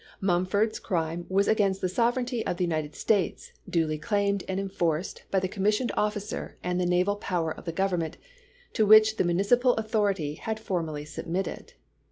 Mumford's crime was against the sovereignty of the United States, duly claimed and enforced by the commissioned officer and the naval power of the Government, to which the municipal authoritj^ had foi'mally submitted.